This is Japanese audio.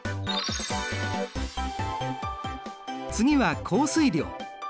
次は降水量。